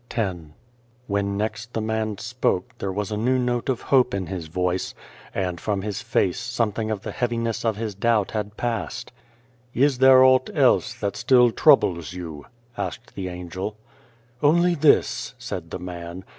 122 X WHEN next the man spoke there was a new note of hope in his voice, and from his face something of the heaviness of his doubt had passed. " Is there aught else that still troubles you ?" asked the Angel. "Only this," said the man.